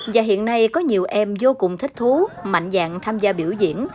và hiện nay có nhiều em vô cùng thích thú mạnh dạng tham gia biểu diễn